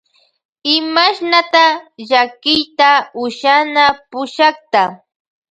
Imashnata shakiyta ushana pushakta.